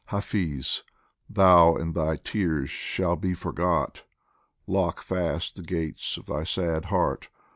Hafiz, thou and thy tears shall be forgot, Lock fast the gates of thy sad heart